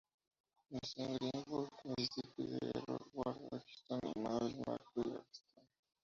Nació en Greenwood, Misisipi de Errol Ward Atkinson y Mabel Blackwell Atkinson.